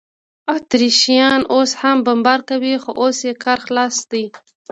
اتریشیان اوس هم بمبار کوي، خو اوس یې کار خلاص دی.